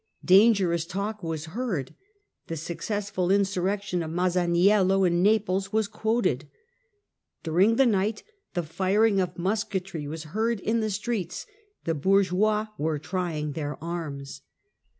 Dangerous talk was heard. The successful 1646. Encroachments of the Par lenient. 25 insurrection of Massaniello in Naples was quoted. During the night the firing of musketry was heard in the streets; the bourgeois were trying their arms.